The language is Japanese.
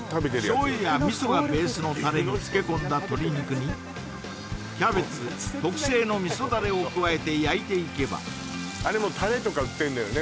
醤油や味噌がベースのタレに漬け込んだ鶏肉にキャベツ特製の味噌ダレを加えて焼いていけばあれもうタレとか売ってんだよね